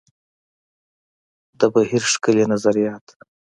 د بهیر ښکلي نظریات.